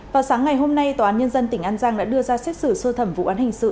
vào sáng ngày hôm nay tòa án nhân dân tỉnh an giang đã đưa ra xét xử sơ thẩm vụ án hình sự